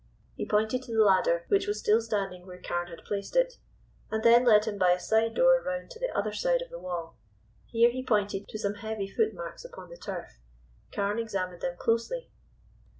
He pointed to the ladder, which was still standing where Carne had placed it, and then led him by a side door round to the other side of the wall. Here he pointed to some heavy footmarks upon the turf. Carne examined them closely.